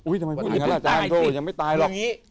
ทำไมพูดอย่างนั้นล่ะอาจารย์โทษยังไม่ตายหรอก